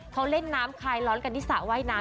เขาเล่นน้ำคลายร้อนกันที่สระว่ายน้ำ